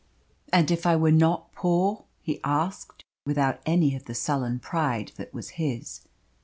"And if I were not poor?" he asked, without any of the sullen pride that was his.